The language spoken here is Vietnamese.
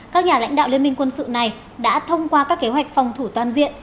các nhà lãnh đạo liên minh quân sự này đã thông qua các kế hoạch phòng thủ toàn diện